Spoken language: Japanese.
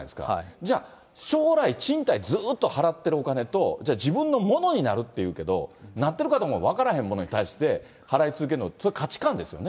じゃあ、将来、賃貸、ずっと払ってるお金と、じゃあ、自分のものになるっていうけど、なってるかどうか分からへんものに対して、払い続けるのって、それ、価値観ですよね？